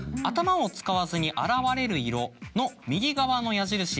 「頭を使わずに現れる色」の右側の矢印。